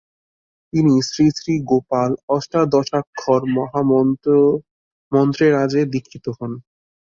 তিনি শ্রীশ্রীগোপাল অষ্টাদশাক্ষর মহামন্ত্রেরাজে দীক্ষিত হন।